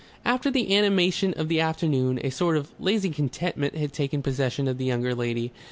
After the animation of the afternoon a sort of lazy contentment had taken possession of the younger lady.